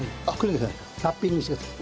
ラッピングしてください。